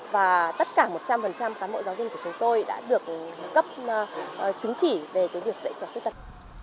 và tất cả một trăm linh cán bộ giáo viên của chúng tôi đã được cấp chứng chỉ để có việc dạy trẻ khuyết tật